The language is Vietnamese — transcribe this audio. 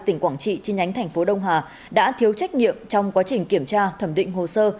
tp quảng trị trên nhánh tp đông hà đã thiếu trách nhiệm trong quá trình kiểm tra thẩm định hồ sơ